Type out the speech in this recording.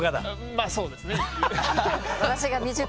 まあそうですね。